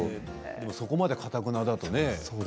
そこまでかたくなだとね。